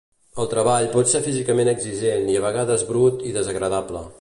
El treball pot ser físicament exigent i a vegades brut i desagradable.